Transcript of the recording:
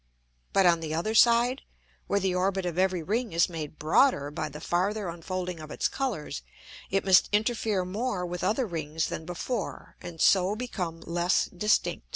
But on the other side, where the Orbit of every Ring is made broader by the farther unfolding of its Colours, it must interfere more with other Rings than before, and so become less distinct.